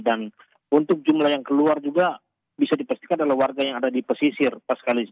dan untuk jumlah yang keluar juga bisa dipastikan adalah warga yang ada di pesisir pak sekalis